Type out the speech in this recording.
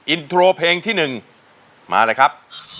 อินโทรเพลงที่๑มาเลยครับ